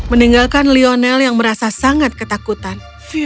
meninggalkan lionel yang merasa sangat ketakutan